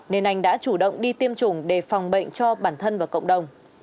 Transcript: nên anh đã chủ động đi tiêm chủng để phòng bệnh cho bản thân và cộng đồng